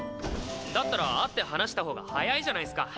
だったら会って話したほうが早いじゃないスか。